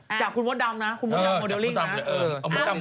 เออช่วยเหลือเด็กก่อน